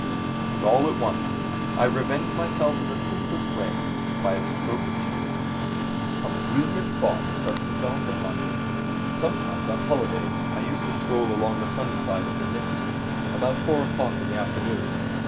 And all at once I revenged myself in the simplest way, by a stroke of genius! A brilliant thought suddenly dawned upon me. Sometimes on holidays I used to stroll along the sunny side of the Nevsky about four o'clock in the afternoon.